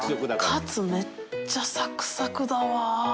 めっちゃサクサクだわ！